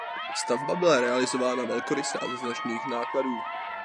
Stavba byla realizována velkoryse a za značných nákladů.